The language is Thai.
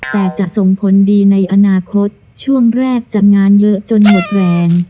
แต่จะส่งผลดีในอนาคตช่วงแรกจะงานเยอะจนหมดแรง